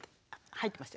入ってました。